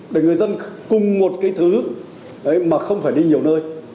để người dân cùng một cái thứ mà không phải đi nhiều nơi